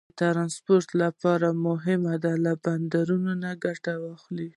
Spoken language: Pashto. د ټرانسپورټ لپاره یې هم له بندرونو ګټه اخیسته.